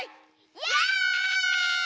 イエイ！